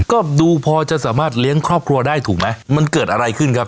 ก็ดูพอจะสามารถเลี้ยงครอบครัวได้ถูกไหมมันเกิดอะไรขึ้นครับ